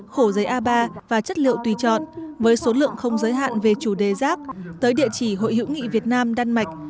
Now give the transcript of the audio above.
khổ giấy a ba và chất liệu tùy chọn với số lượng không giới hạn về chủ đề rác tới địa chỉ hội hữu nghị việt nam đan mạch